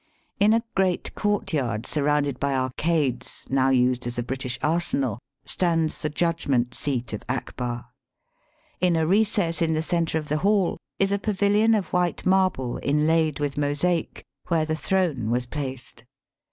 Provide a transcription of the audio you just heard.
In a great courtyard surrounded by arcades, now used as a British arsenal, stands the judgment seat of Akbar. In a recess in the centre of the hall is a paviUon of white marble inlaid with mosaic where the throne was placed.